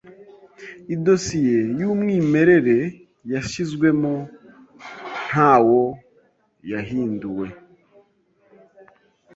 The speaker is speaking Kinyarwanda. Idosiye yumwimerere yashizwemo ntawo yahinduwe